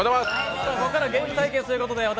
ここからはゲーム対決ということで私